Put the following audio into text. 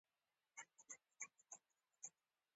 د افغانستان په بل هيڅ هوټل کې نه دي ليدلي.